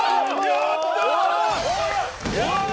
やった！